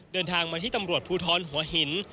เดินทางมาที่ตำรวจภูทรหัวหิน